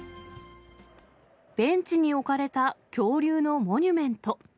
ベンチに置かれた恐竜のモニュメント。